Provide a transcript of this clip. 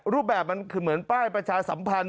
รูปแบบมันคือเหมือนป้ายประชาสัมพันธ์